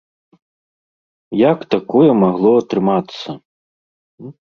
Як такое магло атрымацца?